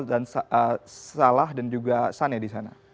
dan salah dan juga san ya di sana